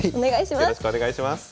よろしくお願いします。